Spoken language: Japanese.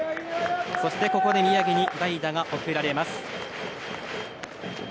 ここで宮城に代打が送られます。